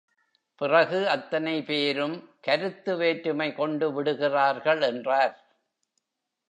பிறகு, அத்தனை பேரும் கருத்து வேற்றுமை கொண்டு விடுகிறார்கள் என்றார்.